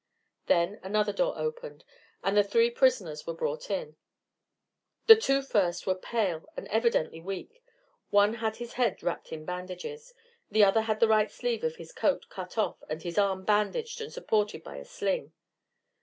Then another door opened, and the three prisoners were brought in. The two first were pale and evidently weak; one had his head wrapped in bandages, the other had the right sleeve of his coat cut off, and his arm bandaged and supported by a sling.